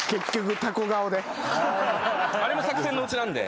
あれも作戦のうちなんで。